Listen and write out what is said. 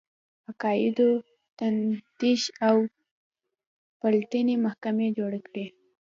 عقایدو تفتیش او پلټنې محکمې جوړې کړې